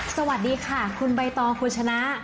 สวัสดีค่ะคุณใบตองคุณชนะ